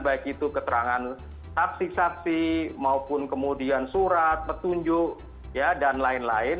baik itu keterangan saksi saksi maupun kemudian surat petunjuk dan lain lain